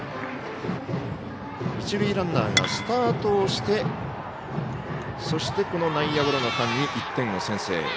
一塁ランナーがスタートしてそして、内野ゴロの間に１点を先制。